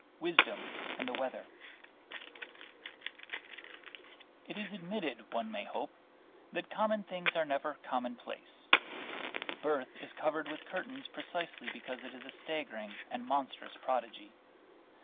WISDOM AND THE WEATHER It is admitted, one may hope, that common things are never commonplace. Birth is covered with curtains precisely because it is a staggering and monstrous prodigy.